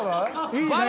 いいね。